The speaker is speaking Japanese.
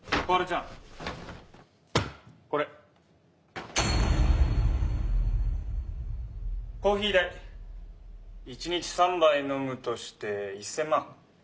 小春ちゃんこれコーヒー代１日３杯飲むとして１０００万